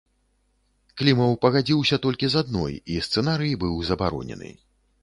Клімаў пагадзіўся толькі з адной, і сцэнарый быў забаронены.